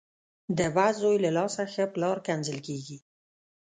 ـ د بد زوی له لاسه ښه پلار کنځل کېږي .